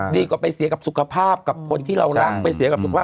ดีกว่าไปเสียกับสุขภาพกับคนที่เรารัก